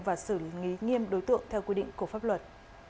và xử lý nghiêm đối tượng theo quy định của pháp luật